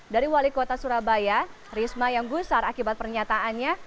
dari wali kota surabaya risma yang gusar akibat pernyataannya